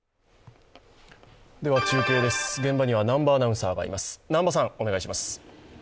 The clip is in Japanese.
中継です、現場には南波アナウンサーがいます。